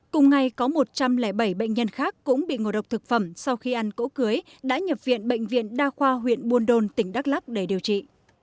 cùng ngày có một trăm linh bảy bệnh nhân khác cũng bị ngộ độc thực phẩm sau khi ăn cỗ cưới đã nhập viện bệnh viện đa khoa huyện buôn đôn tỉnh đắk lắc để điều trị